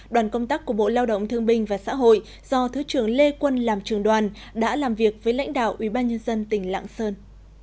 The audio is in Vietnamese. đoàn công tác của bộ lao động thương binh và xã hội do thứ trưởng lê quân làm trường đoàn đã làm việc với lãnh đạo ubnd tỉnh lạng sơn